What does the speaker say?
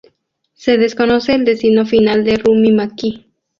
Se desconoce el destino final de Rumi Maqui.